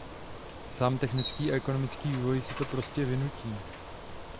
Sám technický a ekonomický vývoj si to prostě vynutí.